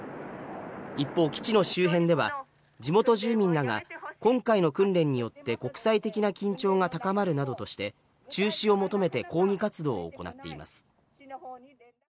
一方、基地の周辺では地元住民らが今回の訓練によって国際的な緊張が高まるなどとして中止を求めて抗議活動を行っています。